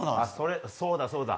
そうだそうだ。